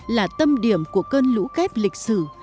là tâm điểm của cơn lũ kép lịch sử